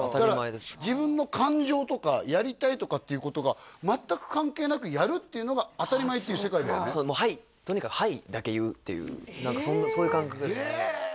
だから自分の感情とかやりたいとかっていうことが全く関係なくやるっていうのが当たり前っていう世界だよねとにかくそういう感覚ですえ！